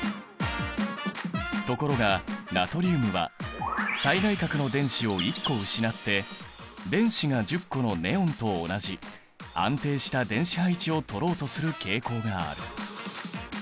ところがナトリウムは最外殻の電子を１個失って電子が１０個のネオンと同じ安定した電子配置をとろうとする傾向がある。